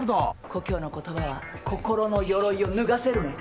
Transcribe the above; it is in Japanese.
故郷の言葉は心のよろいを脱がせるのよ。